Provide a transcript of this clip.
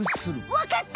わかった！